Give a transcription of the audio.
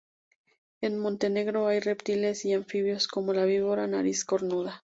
En Montenegro hay reptiles y anfibios, como la víbora-nariz cornuda.